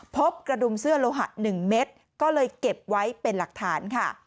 พบกระดุมเสื้อโลหะ๑เม็ดก็เลยเก็บไว้เป็นหลักฐานค่ะ